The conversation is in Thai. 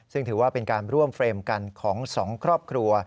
ซึ่งถือว่าเป็นการร่วมเฟรมกันของสองครอบครัว